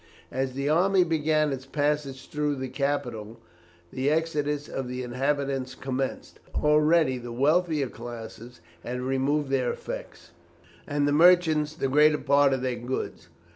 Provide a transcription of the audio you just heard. As the army began its passage through the capital the exodus of the inhabitants commenced. Already the wealthier classes had removed their effects, and the merchants the greater part of their goods.